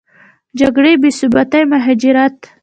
جګړې، بېثباتي، مهاجرت